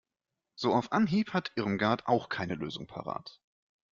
So auf Anhieb hat Irmgard auch keine Lösung parat.